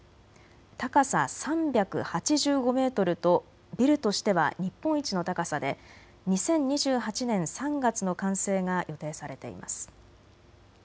高さ３８５メートルとビルとしては日本一の高さで２０２８年３月の完成が予定されています。